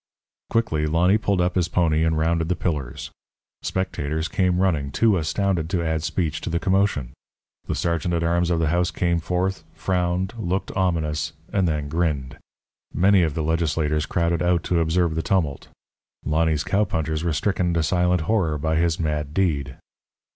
Quickly Lonny pulled up his pony, and rounded the pillars. Spectators came running, too astounded to add speech to the commotion. The sergeant at arms of the House came forth, frowned, looked ominous, and then grinned. Many of the legislators crowded out to observe the tumult. Lonny's cowpunchers were stricken to silent horror by his mad deed.